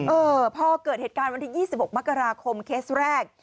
เออพอเกิดเหตุการณ์วันที่๒๖มกราคมเคสแรก